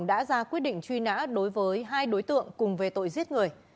đã ra quyết định truy nã đối với hai đối tượng cùng về tội giết người